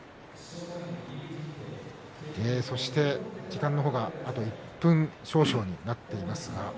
時間の方があと１分少々になっています。